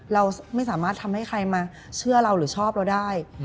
เราไม่สามารถทำให้ใครมาเชื่อเราหรือชอบเราได้